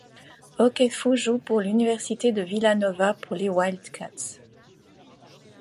Ochefu joue pour l'université de Villanova pour les Wildcats.